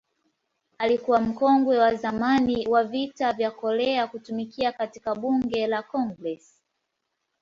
Alikuwa mkongwe wa zamani wa Vita vya Korea kutumikia katika Bunge la Congress.